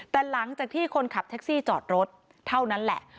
แต่หลังจากที่คนขับแท็กซี่จอดรถเท่านั้นแหละ